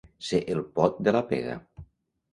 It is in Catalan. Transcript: Ser el pot de la pega.